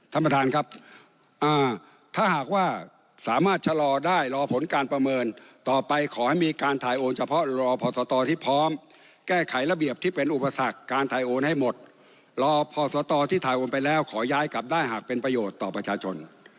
ท่านประธานครับถ้าหากว่าสามารถชะลอได้รอผลการประเมินต่อไปขอให้มีการถ่ายโอนเฉพาะรอพอสตที่พร้อมแก้ไขระเบียบที่เป็นอุปสรรคการถ่ายโอนให้หมดรอพอสตที่ถ่ายโอนไปแล้วขอย้ายกลับได้หากเป็นประโยชน์ต่อประชาชน